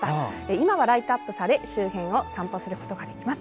今はライトアップされ周辺を散歩することができます。